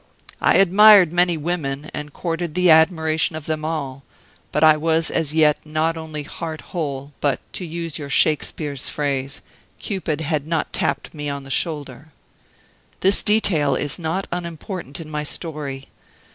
I admired many women, and courted the admiration of them all; but I was as yet not only heart whole, but, to use your Shakespeare's phrase, Cupid had not tapped me on the shoulder. "This detail is not unimportant in my story.